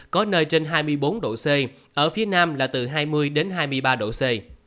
có nơi trên hai mươi bốn độ c ở phía nam là từ hai mươi đến hai mươi ba độ c